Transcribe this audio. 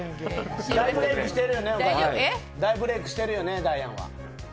大ブレークしてるよねダイアンは。